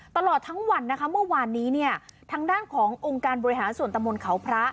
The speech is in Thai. ตลอดทั้งวันนะคะเมื่อวานนี้เนี่ยทางด้านขององค์การบริหารส่วนตะมนต์เขาพระ